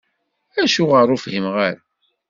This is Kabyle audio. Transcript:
Acuɣer ur whimeɣ ara?